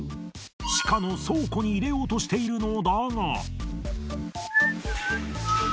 地下の倉庫に入れようとしているのだが。